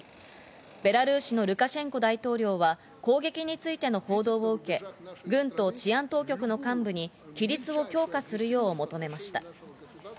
ベラルーシのルカシェンコ大統領は攻撃についての報道を受け、軍と治安当局の幹部に規律を強化するよう求めました。